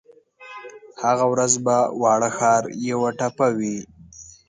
هغه ورځ به واړه ښار یوه ټپه وي